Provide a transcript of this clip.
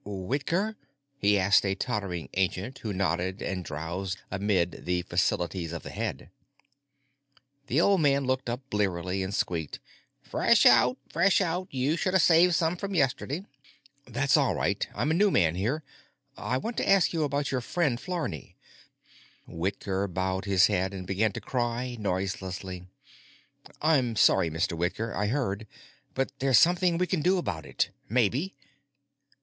"Whitker?" he asked a tottering ancient who nodded and drowsed amid the facilities of the head. The old man looked up blearily and squeaked: "Fresh out. Fresh out. You should've saved some from yesterday." "That's all right. I'm a new man here. I want to ask you about your friend Flarney——" Whitker bowed his head and began to cry noiselessly. "I'm sorry, Mr. Whitker. I heard. But there's something we can do about it—maybe.